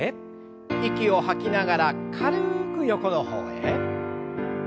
息を吐きながら軽く横の方へ。